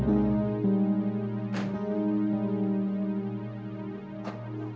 istri mudanya itu kepala bagian yang cermat dalam keuangan